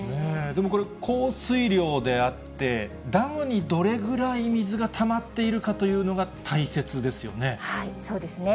でもこれ、降水量であって、ダムにどれぐらい水がたまっているかというのが大切ですよね。